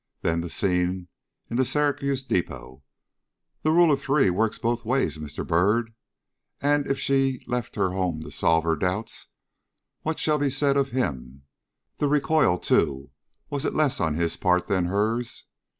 Then the scene in the Syracuse depot! The rule of three works both ways, Mr. Byrd, and if she left her home to solve her doubts, what shall be said of him? The recoil, too was it less on his part than hers?